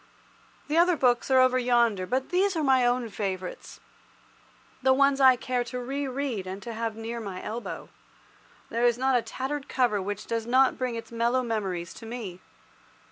The other books are over yonder, but these are my own favourites—the ones I care to re read and to have near my elbow. There is not a tattered cover which does not bring its mellow memories to me.